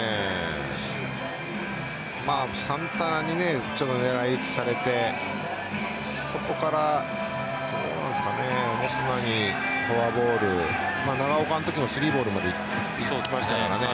サンタナに狙い打ちされてそこからオスナにフォアボール長岡のときも３ボールまでいきましたからね。